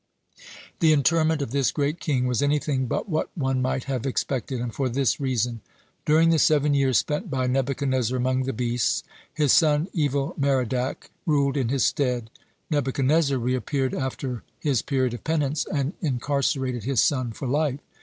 (115) The interment of this great king was anything but what one might have expected, and for this reason: During the seven years spent by Nebuchadnezzar among the beast, his son Evil merodach ruled in his stead. Nebuchadnezzar reappeared after his period of penance, and incarcerated his son for life.